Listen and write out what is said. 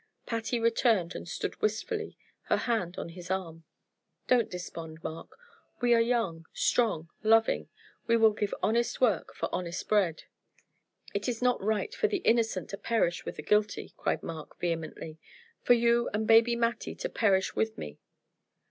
Patty returned and stood wistfully, her hand on his arm. "Don't despond, Mark. We are young, strong, loving. We will give honest work for honest bread." "It is not right for the innocent to perish with the guilty," cried Mark, vehemently; "for you and baby Mattie to perish with me."